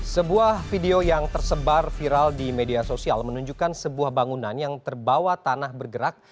sebuah video yang tersebar viral di media sosial menunjukkan sebuah bangunan yang terbawa tanah bergerak